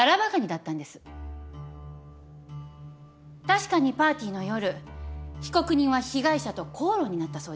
確かにパーティーの夜被告人は被害者と口論になったそうです。